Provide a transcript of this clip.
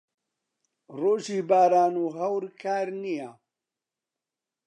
ڕۆژی باران و هەور کار نییە.